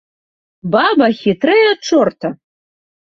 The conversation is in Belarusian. Баба хітрэй ад чорта!